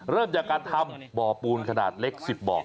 เริ่มจากการทำบ่อปูนขนาดเล็ก๑๐บ่อ